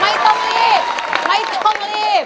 ไม่ต้องรีบไม่ต้องรีบ